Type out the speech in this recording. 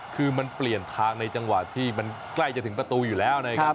คือมันเปลี่ยนทางในจังหวะที่มันใกล้จะถึงประตูอยู่แล้วนะครับ